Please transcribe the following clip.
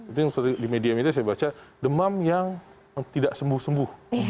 itu yang di media media saya baca demam yang tidak sembuh sembuh